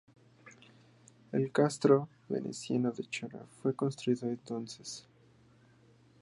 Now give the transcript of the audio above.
El kastro veneciano de Chora fue construido entonces.